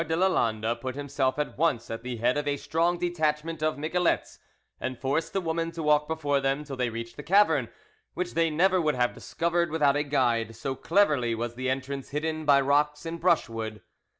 M de Lalande put himself at once at the head of a strong detachment of miquelets, and forced the woman to walk before them till they reached the cavern, which they never would have discovered without a guide, so cleverly was the entrance hidden by rocks and brushwood.